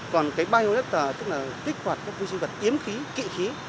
còn cái bionector tức là kích hoạt các vi sinh vật yếm khí kị khí